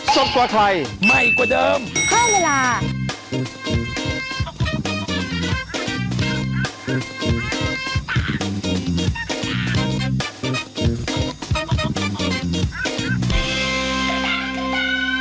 สวัสดีครับ